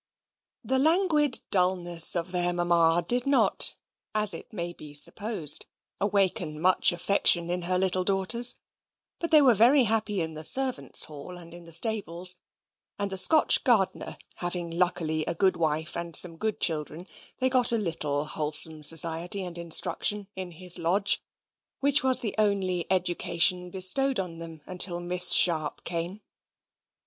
The languid dulness of their mamma did not, as it may be supposed, awaken much affection in her little daughters, but they were very happy in the servants' hall and in the stables; and the Scotch gardener having luckily a good wife and some good children, they got a little wholesome society and instruction in his lodge, which was the only education bestowed upon them until Miss Sharp came.